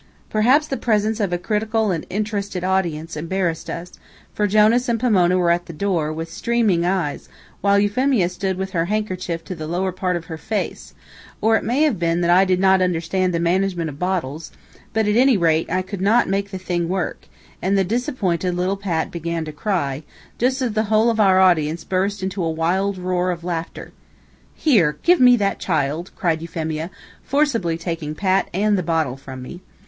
Perhaps the presence of a critical and interested audience embarrassed us, for Jonas and Pomona were at the door, with streaming eyes, while Euphemia stood with her handkerchief to the lower part of her face, or it may have been that I did not understand the management of bottles, but, at any rate, I could not make the thing work, and the disappointed little Pat began to cry, just as the whole of our audience burst into a wild roar of laughter. "Here! Give me that child!" cried Euphemia, forcibly taking Pat and the bottle from me.